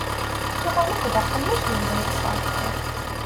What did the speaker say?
Yuɣal akk d aqemmuc yebda yettṣeṛṣiṛ.